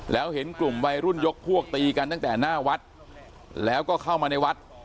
แล้วเห็นกลุ่มวัยรุ่นยกพวกตีกันตั้งแต่หน้าวัดแล้วก็เข้ามาในวัด